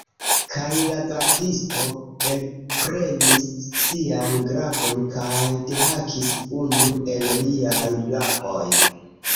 Kaj la gardisto elprenis sian glavon kaj dehakis unu el liaj brakoj.